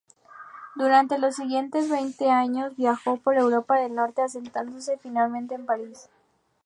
Durante los siguientes veinte años, viajó por Europa del Norte, asentándose finalmente en París.